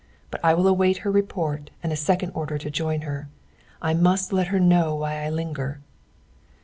But I will await her report and a second order to join her. I must let her know why I linger."